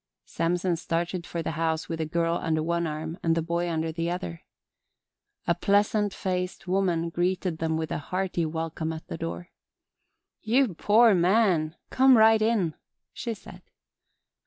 Samson started for the house with the girl under one arm and the boy under the other. A pleasant faced woman greeted them with a hearty welcome at the door. "You poor man! Come right in," she said.